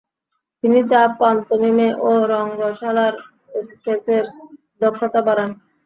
তিনি তার পান্তোমিমে ও রঙ্গশালার স্কেচের দক্ষতা বাড়ান।